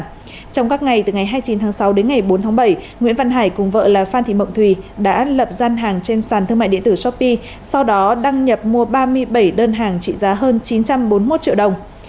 trong các ngày từ ngày hai mươi chín tháng sáu đến ngày bốn tháng bảy nguyễn văn hải cùng vợ là phan thị mộng thùy đã lập gian hàng trên sàn thương mại điện tử shopee sau đó đăng nhập mua ba mươi bảy đơn hàng trị giá hơn chín trăm bốn mươi một triệu đồng